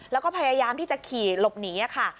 แล้วก็พยายามที่จะขี่หลบหนีค่ะ